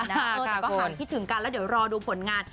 แต่ก็ห่างคิดถึงกันแล้วเดี๋ยวรอดูผลงาน